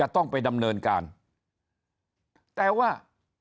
ต้องไปดำเนินการแต่ว่า